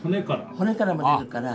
骨からも出るから。